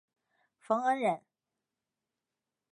冯恩人。